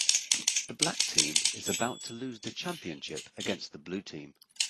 The black team is about to lose the championship against the blue team.